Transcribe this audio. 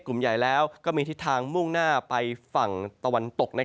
กลุ่มใหญ่แล้วก็มีทิศทางมุ่งหน้าไปฝั่งตะวันตก